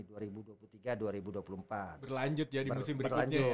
jadi musim berikutnya ya